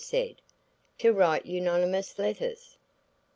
said, "To write unonymous letters."